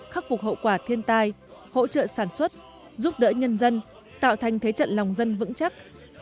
khắc phục hậu quả thiên tai hỗ trợ sản xuất giúp đỡ nhân dân tạo thành thế trận lòng dân vững chắc